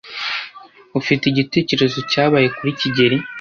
Ufite igitekerezo cyabaye kuri kigeli?